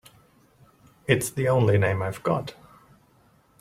It's the only name I've got.